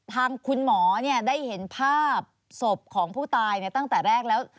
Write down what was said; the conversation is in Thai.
ทางคุณหมอได้เห็นภาพศพของผู้ตายตั้งแต่แรกแล้ว